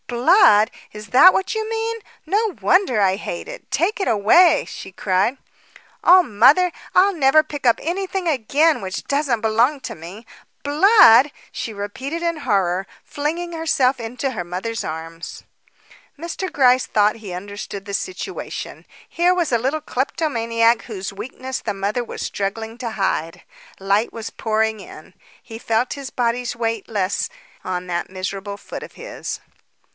"Blood! is that what you mean. No wonder I hate it. Take it away," she cried. "Oh, mother, I'll never pick up anything again which doesn't belong to me! Blood!" she repeated in horror, flinging herself into her mother's arms. Mr. Gryce thought he understood the situation. Here was a little kleptomaniac whose weakness the mother was struggling to hide. Light was pouring in. He felt his body's weight less on that miserable foot of his.